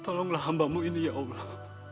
tolonglah hambamu ini ya allah